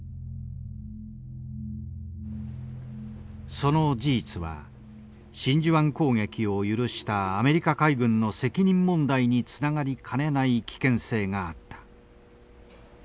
その事実は真珠湾攻撃を許したアメリカ海軍の責任問題につながりかねない危険性があった。